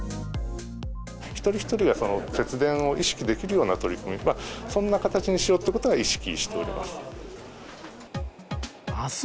一人一人が節電を意識できるような取り組み、そんな形にしようということは意識しております。